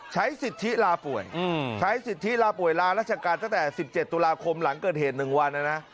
ใช้สิทธิลาป่วยลาราชกาลตั้งแต่๑๗ตุลาคมหลังเกิดเหตุ๑วันนะนะ